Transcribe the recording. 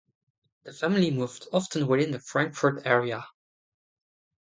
The family moved often within the Frankfurt area.